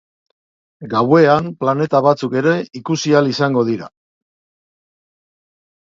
Gauean planeta batzuk ere ikusi ahal izango dira.